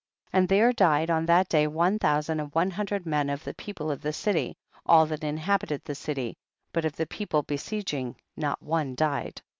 26. And there died on that day one thousand and one hundred men of the people of the city, all that in habited the city, but of the people besieging not one died.